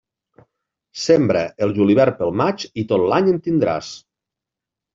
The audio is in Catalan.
Sembra el julivert pel maig i tot l'any en tindràs.